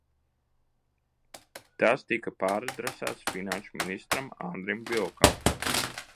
Tas tika pāradresēts finanšu ministram Andrim Vilkam.